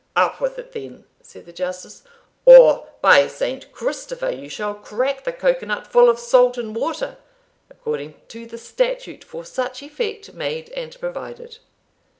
"Up with it then," said the Justice, "or by St. Christopher, you shall crack the cocoa nut full of salt and water, according to the statute for such effect made and provided."